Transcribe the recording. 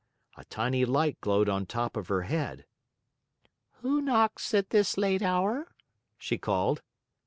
A tiny light glowed on top of her head. "Who knocks at this late hour?" she called.